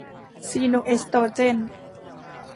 ซีโนเอสโตรเจน